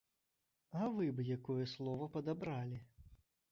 А вы б якое слова падабралі?